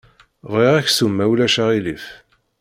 Bɣiɣ aksum ma ulac aɣilif.